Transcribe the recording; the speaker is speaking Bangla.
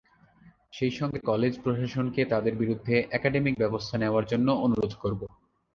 সেই সঙ্গে কলেজ প্রশাসনকে তাদের বিরুদ্ধে একাডেমিক ব্যবস্থা নেওয়ার জন্য অনুরোধ করব।